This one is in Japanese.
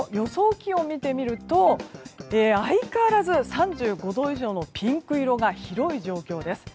気温を見てみると相変わらず３５度以上のピンク色が広い状況です。